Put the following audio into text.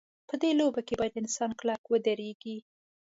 په دې لوبه کې باید انسان کلک ودرېږي.